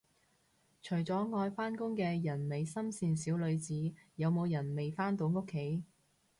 除咗愛返工嘅人美心善小女子，有冇人未返到屋企